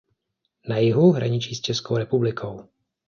Na jihu hraničí s Českou republikou.